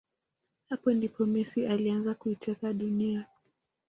Hapa ndipo Messi alianza kuiteka dunia